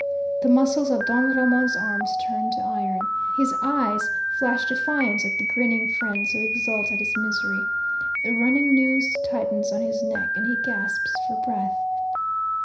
The muscles of Don Ramon's arms turn to iron. His eyes flash defiance at the grinning fiends who exult at his misery. The running noose tightens on his neck, and he gasps for breath.